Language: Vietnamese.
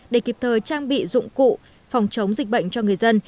để kịp thời trang bị dụng cụ phòng chống dịch bệnh cho người dân